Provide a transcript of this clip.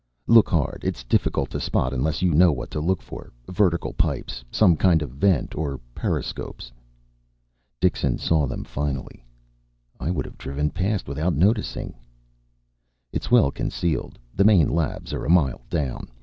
"Look hard. It's difficult to spot unless you know what to look for. Vertical pipes. Some kind of vent. Or periscopes." Dixon saw them finally. "I would have driven past without noticing." "It's well concealed. The main labs are a mile down.